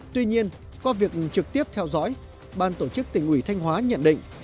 tuy nhiên qua việc trực tiếp theo dõi ban tổ chức tỉnh ủy thanh hóa nhận định